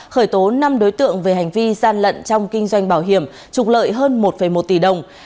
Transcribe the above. khởi tố năm đối tượng về hành vi gian lận trong kinh doanh bảo hiểm trục lợi hơn một một tỷ đồng